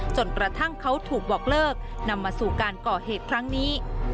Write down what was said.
จนกระทั่งเขาถูกบอกเลิกนำมาสู่การก่อเหตุครั้งนี้